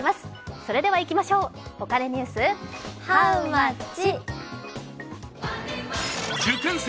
それではいきましょう、お金ニュースハウマッチ。